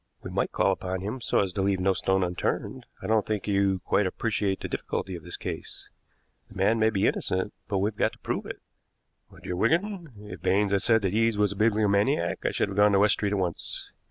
"We might call upon him so as to leave no stone unturned. I don't think you quite appreciate the difficulty of this case. The man may be innocent, but we have got to prove it." "My dear Wigan, if Baines had said that Eade was a bibliomaniac I should have gone to West Street at once.